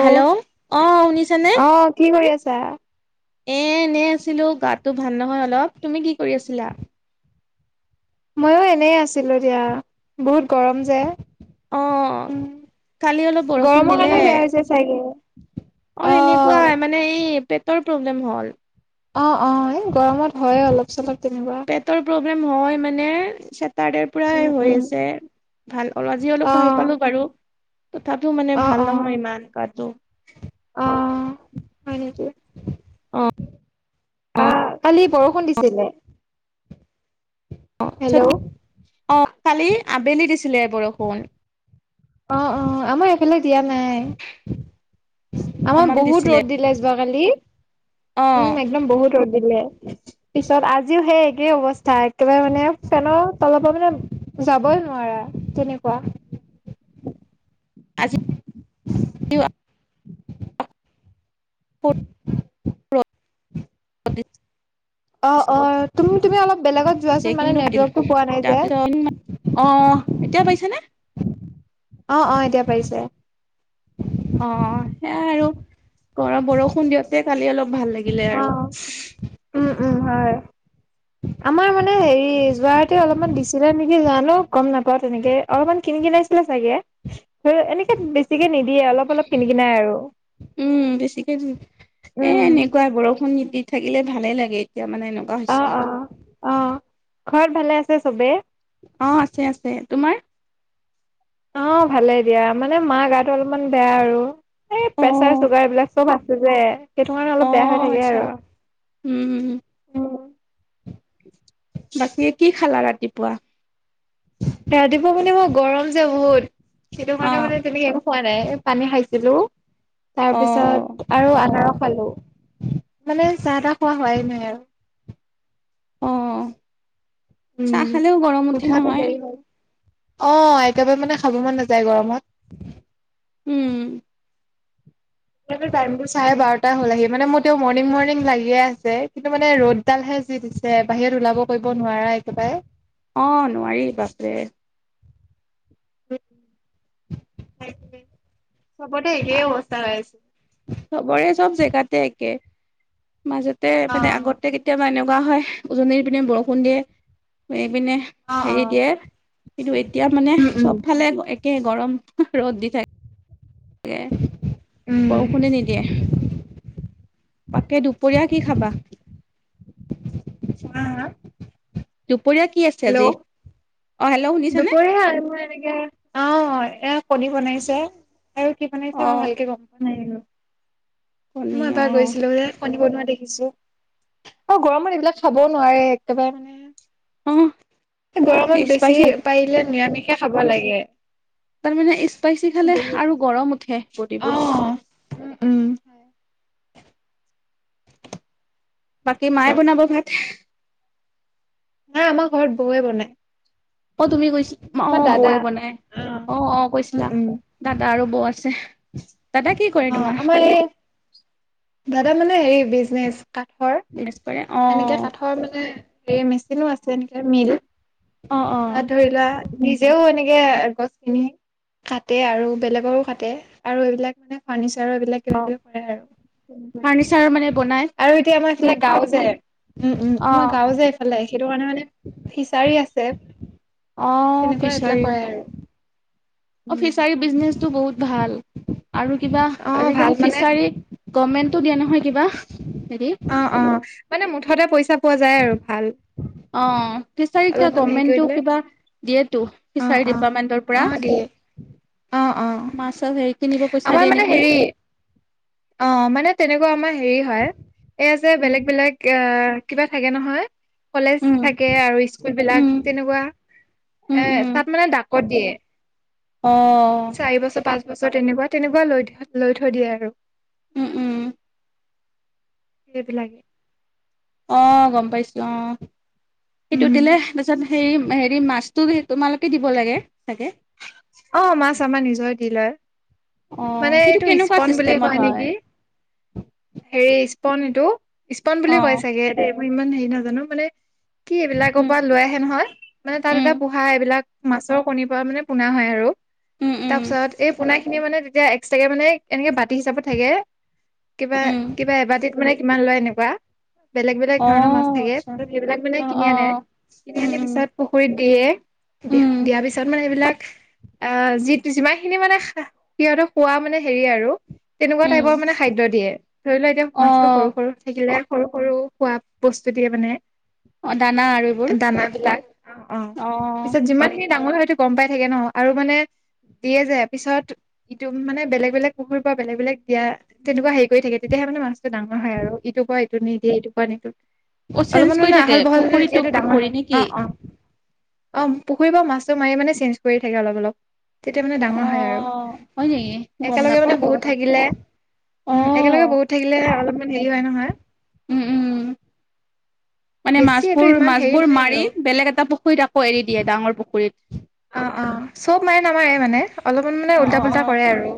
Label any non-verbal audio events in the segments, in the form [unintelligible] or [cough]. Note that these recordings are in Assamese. হেল্ল' অ শুনিছ নে চ [unintelligible] এ এনেই আছিলো গাটো ভাল নহয় অলপ তুমি কি কৰি আছিলা। ময়ো এনেই আছিলো দিয়া বহুত গৰম যে আহ উম কালি অলপ বৰষুণ গৰমৰ দিলে কাৰণে বেয়া হৈছে চাগে অ অ সেনেকুৱা মানে এই পেটৰ প্ৰব্লেম হ'ল অ অ গৰমত হয় অলপ চলপ তেনেকুৱা পেটৰ প্ৰব্লেম হয় মানে চেটাৰডেৰ পূ উম হৈ উম আছে ভাল আজি অলপ অ ভাল পালো বাৰু তথাপি মানে অ ভাল অ নহয় ইমান কটো অ হয় নেকি অ [unintelligible] অ আহ কালি বৰষুণ দিছিলে অ হেল্ল' অ কালি আবেলি দিছিলে বৰষুণ [unintelligible] অ অ আমাৰ একফেলগ দিয়া নাই আমাৰ বহুত ৰ'দ দিলে যাক [unintelligible] খালি অ উম একদম বহুত ৰ'দ দিলে [inaudible] পিছত আজিও সেই একেই অৱস্থা একেবাৰে মানে ফেনৰ তলৰ পৰা মানে যাবই নোৱাৰা [unintelligible] তেনেকুৱা আজি অ অ তুম তুমি অলপ বেলেগত যোৱাচোন মানে কিন্তু নেটৱৰ্কটো পোৱা নাই যে তাৰপিছত অ এতিয়া পাইছানে অ অ এতিয়া পাৰিছে অ সেয়াই আৰু গৰ বৰষুণ দিয়ওঁতে কালি অলপ ভাল লাগিলে অ আৰু উম উম হয় আমাৰ মানে হেৰি যুৱহাট অলপমান চা নেকি যোৱাানো গম নাপাও তেনেকে অলপমান কিনি কিনাইছিলে চাগে ধ এনেকে বেছিকে নিদি [unintelligible] দিয়ে অলপ অলপ কিনি কি নাই আৰু উম বেছিকে এ উম এনেকুৱাই বৰষুণ নিতি থাকিলে ভালে লাগে এতিয়া মানে এনেকুৱা অ হৈছে অ অ ঘৰত ভালে আছে চবে অ আছে আছে তোমাৰ অ ভালে দিয়া মানে মা গাটো অলপমান বেয়া আৰু এই অ প্ৰেচাৰ চুগাৰ এইবলিলাক চব আছে যে সেইটো অ আচ্ছা উম বাকী কি খালা ৰাতিপুৱা? ৰাতিপুৱা মানে মই গৰম যে বহুত সেইটো অ কাৰণে মানে তেনেকে খোৱা নাই পানী খাইছিলোঁ অ তাৰ পিছত আৰু আনাৰস খালোঁ মানে চাহ তাহ খোৱা হোৱাই নাই আৰু। অ চাহ উম খালেও গৰম উঠে নহয়। আহ একেবাৰে মানে খাব মন নাযায় উম গৰমত। টাইম বোৰ চাই বাৰটা হ'ল আহি মানে মোৰ তেওঁ মৰ্ণিং মণিং লাগিয়ে আছে কিন্তু মানে ৰ'দডাল হে। [unintelligible] পিছে দিছে বাহিৰত ওলাব কৰিব নোৱাৰা একেবাৰে। অ নোৱাৰি বাপৰে। চবতে একেই অৱস্থা হৈ আছে। চবৰে চব জেগাতে একে মাজতে মানে অ', আগতে কেতিয়াবা এ লগা হয় উজনিৰ পিনে বৰষুণ দিয়ে। পিনে অ', হেৰি অ', দিয়ে কিন্তু এতিয়া মানে উম, উম, চব ফালে একে গৰম ৰ'দ দি থাকে। উম, বৰষুণে নিদিয়ে। তাকে দুপৰীয়া কি খাবা? হা, হা, দুপৰীয়া কি আছে আজি? হেল্ল'। অ হেল্ল' শুনিছেনে দুপৰীয়া মই এনেকে অ এ কণী বনাইছে। আৰু কি অ বনাইছে মই ভালকে গম পোৱা নাই আৰু। কণী মই অ এবাৰ গৈছিলোঁ যে। কণী বনোৱা দেখিছোঁ অ গৰমত এইবিলাক খাবও নোৱাৰে একেবাৰে অ মানে। গৰমত বেছি স্পাইচি পাৰিলে নিৰামিষে খাব লাগে। তাৰমানে স্পাইচি খালে বহুত আৰু গৰম উঠে বডিবোৰ। উ উম। বাকী মায়ে বনাব ভাত? নাই আমাৰ ঘৰত বৌয়ে বনাই। অ তুমি কৈছিল অ আমাৰ দাদা বৌৱে বনাই অ অ উম, কৈছিলা উম, দাদা আৰু বৌ আ আছে। দাদা কি কৰে অ তোমাৰ আমাৰ এই দাদা মানে হেৰি বিজনেচ কাঠৰ। বিজনেছ কৰে অ এনেকে কাঠৰ মানে হে মেচিনো আছে এনেকে মিল। অ অ তাত ধৰি লোৱা নিজেও এনেকে গছখিনি কাটে আৰু বেলেগৰো কাটে আৰু এইবিলাক মানে ফানিচ এইবিলাক অ কিবা কিবি কৰে আৰু ফাৰ্ণিচাৰ মানে বনাই আৰু এতিয়া আমাৰ সেই গাওঁ যে উম উম অ আমাৰ গাঁও যে এইফালে সেইটো কাৰণে মানে ফিচাৰী আছে। অ তেনেকুৱা এইবিলাক ফিচাৰী কৰে আৰু অ উম ফিচাৰী বিজনেছটো বহুত। ভাল আৰু কিবা অ ভাল আজিকালি মানে ফিচাৰী গমেন্টো দিয়ে নহয় কিবা। হেৰি। অ অ মানে মুঠতে পইচা পোৱা যায় আৰু ভাল। অ। ফিচাৰী কা অলপমান হেৰি গমেন্টও কৰিলে কিবা দিয়েতো অ ফিচাৰী অ ডিপাৰ্টমেন্টৰ অ পৰা। দিয়ে অ অ মাছ চাছ হেৰি কিনিব পইচা আমাৰ দিয়ে মানে নেকি? হেৰি অ মানে তেনেকুৱা আমাৰ হেৰি হয় এইয়া যে উম বেলেগ বেলেগ আহ কিবা থাকে নহয়। কলেজ উম থাকে আৰু স্কুল বিলাক উম তেনেকুৱা এ তাত মানে ক'ত দিয়ে অহ গছৰ তেনেকুৱা তেনেকুৱা লৈ থৈ লৈ থৈ দিয়ে আৰু। উম উম সেইবিলাকে। অ গম পাইছো অ সিটো উম দিলে তাৰপিছত হেৰি হেৰি মাছতো তোমালোকে দিব লাগে চাগে? অ মাছ আমাৰ নিজৰ দিলাৰ। অ মানে সেইটো এইটো কেনেকুৱা স্পন বুলি চিষ্টেমত কয় হয় নেকি? হেৰি স্পন এইটো স্পন বুলিয়ে কয় অ', চাগে দে মই ইমান হেৰি নাজানো মানে কি এইবিলাকৰ উম, পৰা লৈ আহে নহয় মানে তাত উম, এটা পোহা এইবিলাক মাছৰ কণীৰ পৰা মানে পোনা হয় আৰু উম, তাৰ উম, পিছত এই পোনা খি মানে তেতিয়া এক্সটাকে কে মানে এনেকে বাতি হিচাপত থাকে কিবা উম, কিবা এবাতিত মানে কিমান লয় এনেকুৱা বেলেগ বেলেগ ধৰণৰ মাছ অ', থাকে আচ্ছা। পিছত সেইবিলাক মানে অ', কিনি আনে অ', কিনি উম, আনি উম, পিছত পুখুৰীত দিয়ে উম, দিয়াৰ পিছত মানে এইবিলাক অ যি যিমান খিনি মানে সিহঁতক খোৱা মানে হেৰি আৰু তেনেকুৱা উম, টাইপৰ মানে খাদ্য দিয়ে ধৰি লোৱা এতিয়া মাছতটো সৰু অ', সৰু থাকিলে সৰু সৰু খোৱা বস্তু দিয়ে মানে অ', দানা আৰু এইবোৰ দানা বিলাক অ অ', পিছত যিমানখিনি ডাঙৰ হয়তো গম পাই থাকে ন আৰু মানে দিয়ে যোয় পিছত ইটো মানে বেলেগ বেলেগ কুহুৰ পৰা বেলেগ বেলেগ দিয়া তেনেকুৱা হেৰি কৰি থাকে তেয়াহে মানে মাছটো ডাঙৰ হয় আৰু ইটো কোৱা এইটো নিদিয়ে এইটো কোৱা নিটো অ', চেঞ্জ অলপমান কৰি মানে থাকে আহল বহল পুখুৰীটো তেতিয়ো ডাঙৰ পুখুৰী হয় নেকি? অ অ অ পুখুৰী পৰা মাছটো মাৰি মানে চেঞ্জ কৰি থাকে অলপ অলপ তেতিয়া মানে ডাঙৰ হয় আৰু অ', হয় নেকি? গম একেলগে নাপাওঁ মানে বহুত থাকিলে উম একেলগে অ', বহুত থাকিলে অলপমান হেৰি হয় নহয় উম, উম, মানে বেছি এইটো মাছবোৰ ইমান হেৰি মাছবোৰ নাই মাৰি আৰু বেলেগ এটা পুখুৰীত আকৌ এৰি দিয়ে ডাঙৰ পুখুৰী পুখুৰিত অ অ চব মায়ে নামাৰে মানে অলপমান মানে অ', উল্টা অ', পুল্টা অ', কৰে আৰু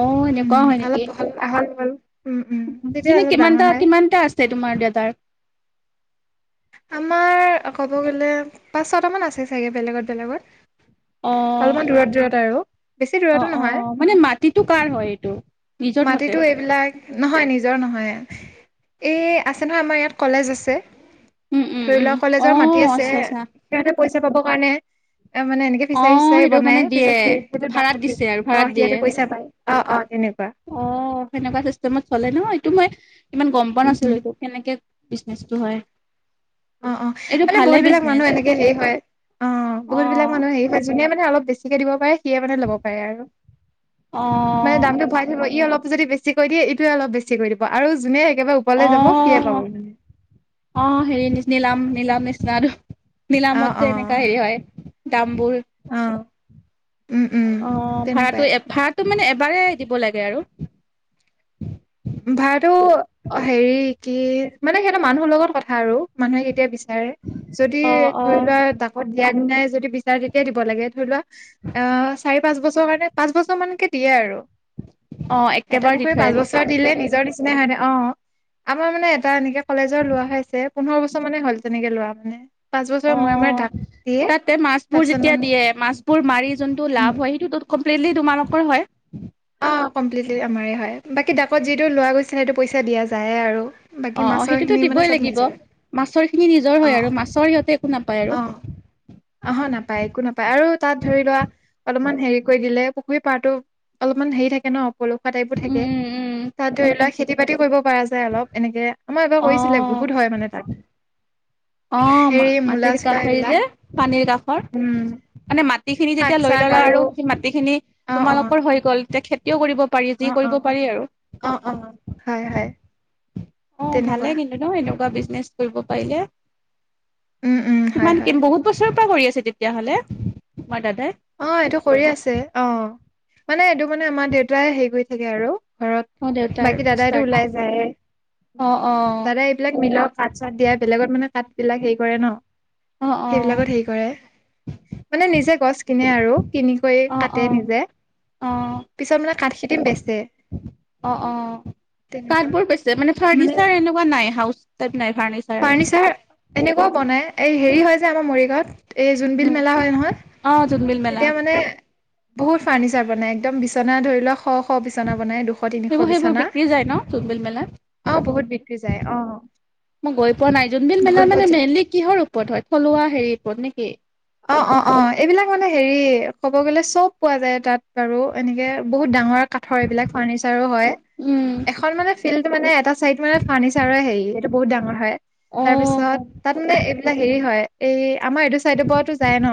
অ উম, এনেকুৱা হয় নেকি অলপ হ'ল আহল বহল উম, উম, তেতিয়া এনে অলপ ডাঙৰ কিমানটা হয়। কিমানটা আছে তোমাৰ দেউতাৰ? [unintelligible] আমাৰ ক'ব গ'লে পাঁচ ছটামান আছে চাগে বেলেগত বেলেগত। অ', অলপমান দূৰত দূৰত আৰু। বেছি অ দূৰাৰতো অ নহয়। মানে মাটিটো কাৰ হয় এইটো নিজৰ থাকে মাটিতো এইবিলাক নহয় নিজ নহয় নহয় এই আছে নহয় আমাৰ ইয়াত কলেজ আছে। উম উম ধৰি উম লোৱা অ কলেজৰ মাটি আছে আচ্ছা আচ্ছা সিহঁতে পইচা পাবৰ কাৰণে অ মানে এনেকে অ ফিচাৰি চিচাৰি সেইটো মানে বনাই দিয়ে পিছত ভাড়াত সিহঁতে দিছে আৰু অ ভাড়াত দিয়ে সিহঁতে পইচা পায় অ অ। তেনেকুৱা অ সেনেকুৱা চিষ্টেমত চলে ন এইটো মই ইমান গম পোৱা উম, নাছিলো উম। এইটো কেনেকে বিজনেচটো হয়। অ অ এইটো মানে ভালে বহুত বিলাক মানুহ বিজনেচ এনেকে হেৰি হয় অ অ বহুত বিলিলাক মানুহ হেৰি হয় যোনে মানে অলপ বেছিকে দিব পাৰে সিয় মানে ল'ব পাৰে আৰু। অ মানে দাম টো ভৰাই থব ই অলপ যদি বেছি কৰি দিয়ে এইটোৱে অলপ বেছি কৰি দিব আৰু যোনে একেবাৰে অ ওপৰলৈ যাব সিয়ে পাব মানে অ হেৰি নিচিনিলাম নিলাম নিচিনা আৰু অ নিলামত অ যে এনেকা হেৰি হয় দামবোৰ। অ উম উম অ তেনেকুৱাই ভাৰাটো ভাড়াটো মানে এবাৰে দিব লাগে আৰু ভাড়াটো হেৰি কি মানে সিহতৰ মানুহৰ লগত কথা আৰু মানুহে কেতিয়া বিচ বিচাৰে যদি অ অ ধৰি লোৱা ডাকত দিয়া দিনাই যদি বিচাৰে তেতিয়াাই দিব লাগে ধৰি লোৱা অ চাৰি পাঁচ বছৰ কাৰণে পাঁচ বছৰ মানকে দিয়ে আৰু। অ এটা একেবাৰে দি পুখুৰী থয় পাঁচ আৰু। বছৰ দিলে নিজৰ নিচিনা হয় ন অ আমাৰ মানে এটা এনেকে কলেজৰ লোৱা হৈ আছে। পোন্ধৰ বছৰ মানে হ'ল তেনেকে লোৱা মানে পাঁচ অ বছৰ মূৰে মূৰে দাক তাতে মাছবোৰ যেতিয়া দিয়ে মাছ বোৰ মাৰি যোনটো উম, লাভ হয় সেইটো তত কমপ্লিটলি তোমালোক কৰ হয়? অ কম্লিটলি আমাৰ হয় বাকী ডাকত যিটো লোৱা গৈছিলে সেইটো পইচা দিয়া যায় আৰু। বাকী অ অ সেইটোতো মাছৰখিনি মানে দিবই চব লাগিব নিজৰ মাছৰ খিনি নিজৰ হয় আৰু অ', মাছৰ সিহঁতে একো নাপায় আৰু অ অ নাপায় একো নাপায় আৰু তাত ধৰি লোৱা অলপমান হেৰি কৰি দিলে পুখুৰী পাৰতো অলপমান হেৰি থাকে ন [unintelligible] পলুৱা টাইপো উম থাকে উম তাত ধৰি লোৱা খেতি বাতি কৰিব পৰা যায় অলপ এনেকে আমাৰ এবাৰ উম অ কৰিছিলে বহুত হয় মানে তাত অ হেৰি মূলা মতিৰি ক চোলা হেৰি এইবিলাক যে পানীৰ কাষৰ উম মানে মাটি খিনি শাক যেতিয়া লৈ চাক ললা আৰু সেই মাটিখিনি অ অ তোমালোকৰ হৈ গ'ল তেখেত কিয় কৰিব পাৰি যি অ অ কৰিব পাৰি অ অ হয় হয় আৰু। অ ভালে তেনেকুৱা কিন্তু ন এনেকুৱা বিজনেচ কৰিব পাৰিলে। উম উম হয় কিমান কি হয় বহুত বছৰৰ পৰা কৰি আছে তেতিয়াহলে তোমাৰ দাদাই অ এইটো কৰি আছে অ মানে এইটো মানে আমাৰ দেউতাই হেৰি কৰি থাকে আৰু। ঘৰত অ দেউতাৰ বাকী দাদাইটো ষ্টাৰ্ট ওলাই যায়ে। অ অ দাদা এইবিলাক মিলত কাঠ চাত দিয়াই বেলেগত মানে হাত বিলাক হে কৰে ন অ', অ', সেইবিলাকত হে কৰে মানে নিজে গছ কিনে আৰু কিনি কৰি অ', কাটে অ', নিজে অ', পিছত মানে কাঠখিনি বেচে। অ অ তেনেকুৱা কাঠ বোৰ কৈছে মানে ফাৰ্নিচাৰ এনেকুৱা নাই হ ফাৰ্ণিচাৰ এনেকুৱাও বনাই এই হেৰি হয় আমাৰ মৰিগাঁৱত এই জোনবিল মেলা হয় নহয়। জুনবিল মেল তেতিয়া মানে বহুত ফাৰ্ণিচাৰ বনাই একদম বিচনা ধৰি লোৱা শ শ বিছনা বনাই দুশ তিনিশ সেইবোৰ সেইবোৰ বিছনা বিক্ৰী যায় ন জোনবিল মেলাত অ বহুত বিক্ৰী যায় অ। মই গৈ পোৱা নাই জোনবিল মেলা বহুত বহুত মানে যায় মলি কিহৰ ওপৰত হয় থলুৱা হেৰিৰ ওপৰত নেকি। অ অ অ এইবিলাক মানে হেৰি কব গ'লে চব পোৱা যায় তাত বাৰু এনেকে [unintelligible] বহুত ডাঙৰ কাঠৰ এইবিলাক ফাৰ্ণিচাৰো হয় উম, এখন মানে ফিল্ডটো মানে এটা চাইড মানে ফাৰ্নিচাৰ হেৰি এইটো বহুত ডাঙৰ হয় তাৰ পিছত অ', তাত মানে এইবিলাক হেৰি হয় এই আমাৰ এইটো চাইড পৰত যাই ন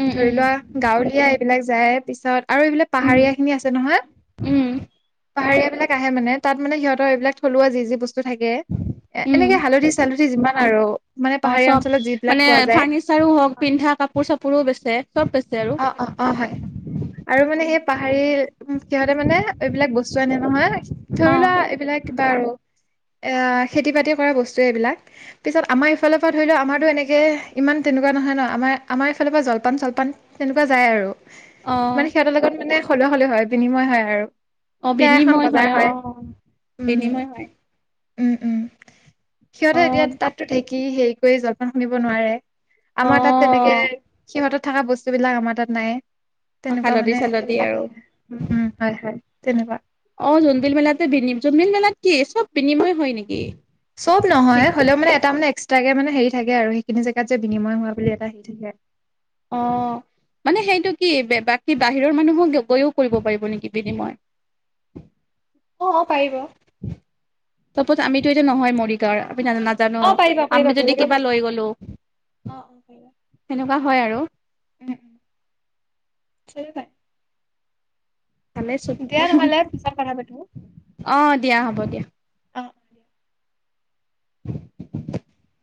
উম, ধৰি উম, লোৱা গাঁৱলীয়া এইবিলাক যায় পিছত আৰু এইবিলাক উম, পাহাৰীয়া খিনি আছে নহয় উম, পাহাৰীয়া বিিলাক আহে মানে তাত মানে সিহঁতৰ এইবিলাক থলুৱা যি যি বস্তু থাকে এ উম, এনেকে হালধি চালধ [unintelligible] যিমান আৰু মানে অ পাহাৰীয়া চব অঞ্চলত যিবিলাক মানে পোৱা যায় ফাৰ্নিচাৰো হওক পিন্ধা কাপোৰ চাপোৰোও বেছে চব [unintelligible] অ অ অ হয় আৰু মানে সেই পাহাৰী সিহঁতে মানে এইবিলাক বস্তু জানে নহয় ধৰি অ', লোৱা এইবিলাক কিবা আৰু [inaudible] এ খেতি বাতি কৰা বস্তু এইবিলাক পিছত আমাৰ ইফালৰ পৰা ধৰি লও আমাৰতো এনেকে ইমান তেনেকুৱা নহয় নহ আমাৰ আমাৰ এইফালৰ পৰা জলপান চলপান তেনেকুৱা যায় আৰু অ', মানে সিহঁতৰ লগত মানে সলুৱ হলে হয় বিনিময় হয় আৰু অ', [unintelligible] সেয়া এখন বিনিময় বজাৰ হয় অ', বিনিময় হয় উম উম উম সিহঁতে অ', এতিয়া তাততো ঢেঁকী হেৰি কৰি জলপান শুনিব নোৱাৰে আমাৰ তাত তেনেকে অ' সিহঁতত থকা বস্তু বিলাক আমাৰ তাত নাই অ তেনেকুৱা হালধি মানে চালধি সেইবিলাক আৰু উম উম হয় হয় তেনেকুৱা অ জুনবিল মেলাতে ভন্ম [unintelligible] জুনবিল মেলাট কি সব বিনিময় হয় নেকি চব নহয় হলেও মানে এটা মানে এক্সট্ৰাকে মানে হেৰি থাকে আৰু সেইখিনি জেগাত [unintelligible] যে বিনিময় হোৱা বুলি এটা আহি থাকে অ' মানে সেইটো কি বাকী বাহিৰৰ মানুহক গৈও কৰিব পাৰিব নেকি বিনিময় [unintelligible] অঁঁ পাৰিব তাৰপত আমিতো এতিয়া নহয় মৰিগাঁৱৰ নাজানো অ পাৰিবা পাৰিবা আমি যদি বেলেগেও কিবা পাৰিব লৈ অ গলোনে বা হয় আৰু উম [unintelligible] ভালেচোন দিয়া নহলে পিছত কথা পাতিম অ' দিয়া হ'ব দিয়া। অহ [unintelligible]